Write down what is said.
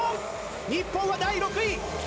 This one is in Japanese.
日本は第６位！